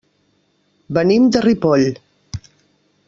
Venim de Ripoll.